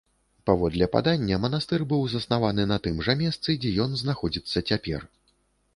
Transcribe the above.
Паводле падання, манастыр быў заснаваны на тым жа месцы, дзе ён знаходзіцца цяпер.